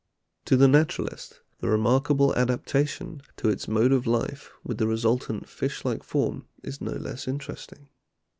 To the naturalist the remark able adaptation to its mode of life with the resultant fish like form is no less interesting.